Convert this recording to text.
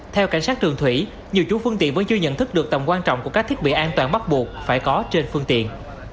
theo cảnh sát đường thủy nhiều chủ phương tiện vẫn chưa nhận thức được tầm quan trọng của các thiết bị an toàn bắt buộc phải có trên phương tiện